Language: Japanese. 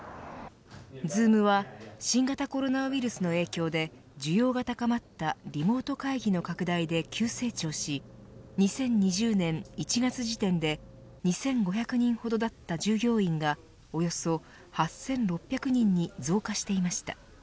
Ｚｏｏｍは新型コロナウイルスの影響で需要が高まったリモート会議の拡大で急成長し２０２０年１月時点で２５００人ほどだった従業員がおよそ８６００人に増加していました。